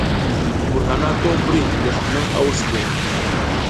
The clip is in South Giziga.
Mbur hana ko mbri lesl naƞ a wus le.